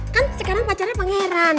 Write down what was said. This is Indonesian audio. kan sekarang pacarnya pangeran